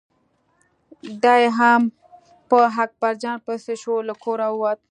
دی هم په اکبر جان پسې شو له کوره ووت.